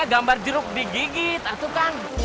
bisa di duduk